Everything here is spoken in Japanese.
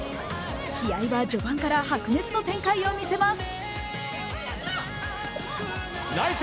試合は序盤から白熱の展開を見せます。